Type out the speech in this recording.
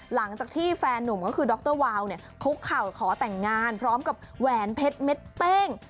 หลังจากที่แฟนหนุ่มก็คือดรวาวเนี่ยคุกเข่าขอแต่งงานพร้อมกับแหวนเพชรเม็ดเป้ง